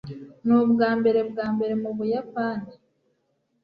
nubwambere bwambere mubuyapani